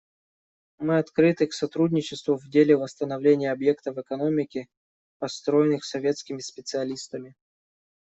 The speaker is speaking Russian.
Мы открыты к сотрудничеству в деле восстановления объектов экономики, построенных советскими специалистами.